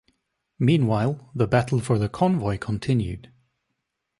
Meanwhile, the battle for the convoy continued.